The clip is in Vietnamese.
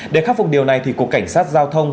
để khắc phục điều này thì cục cảnh sát giao thông